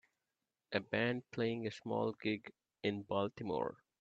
A band playing a small gig in Baltimore.